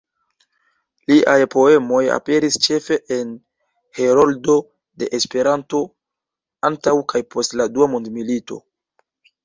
Liaj poemoj aperis ĉefe en Heroldo de Esperanto antaŭ kaj post la Dua Mondmilito.